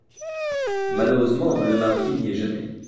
Malheureusement, le marquis n’y est jamais !